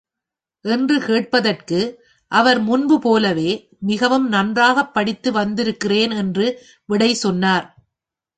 என்று கேட்டதற்கு, அவர் முன்போலவே, மிகவும் நன்றாகப் படித்து வந்திருக்கிறேன் என்று விடை சொன்னார்.